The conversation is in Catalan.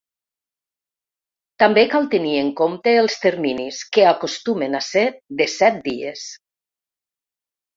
També cal tenir en compte els terminis, que acostumen a ser de set dies.